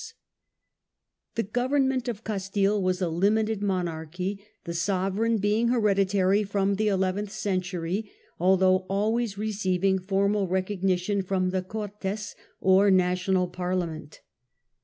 Constitu The government of Castile was a limited monarchy, Castile the sovcreigu being hereditary from the eleventh century, although always receiving formal recognition from the Cortes or national parliament.